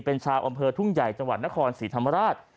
เป็นชาวอำเภอทุ่งใหญ่จังหวัดนครศรีธรรมราช